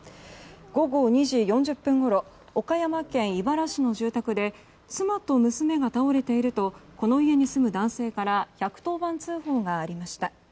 午後２時４０分ごろ岡山県井原市の住宅で妻と娘が倒れているとこの家に住む男性から１１０番通報がありました。